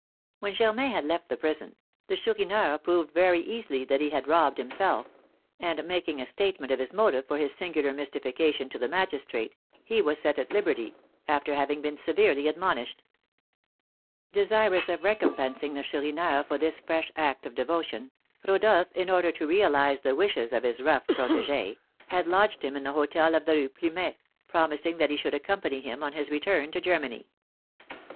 When Germain had left the prison, the Chourineur proved very easily that he had robbed himself; and making a statement of his motive for this singular mystification to the magistrate, he was set at liberty, after having been severely admonished. Desirous of recompensing the Chourineur for this fresh act of devotion, Rodolph, in order to realise the wishes of his rough protégé, had lodged him in the hôtel of the Rue Plumet, promising that he should accompany him on his return to Germany.